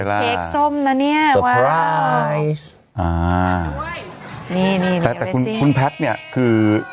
เค้กส้มนะเนี่ยวายอ่านี่นี่นะแต่แต่คุณคุณแพทย์เนี่ยคือ